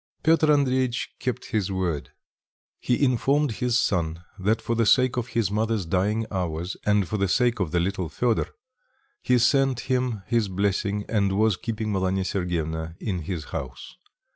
Piotr Andreitch kept his word. He informed his son that for the sake of his mother's dying hours, and for the sake of the little Fedor, he sent him his blessing and was keeping Malanya Sergyevna in his house.